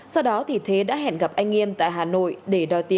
sau đó thì thế đã hẹn gặp anh nghiêm tại hà nội